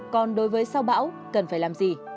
còn đối với sao bão cần phải làm gì